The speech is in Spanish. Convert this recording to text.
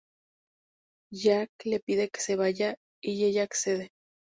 Jack le pide que se vaya y ella accede.